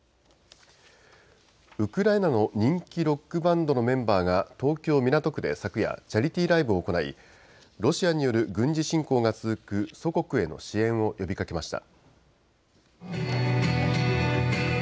ウクライナの人気ロックバンドのメンバーが、東京・港区で昨夜、チャリティーライブを行い、ロシアによる軍事侵攻が続く祖国への支援を呼びかけました。